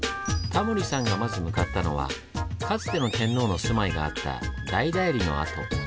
タモリさんがまず向かったのはかつての天皇の住まいがあった大内裏の跡。